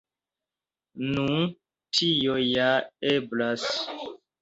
Nu, tio ja eblas.